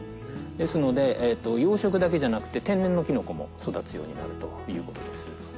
ですので養殖だけじゃなくて天然のキノコも育つようになるということです。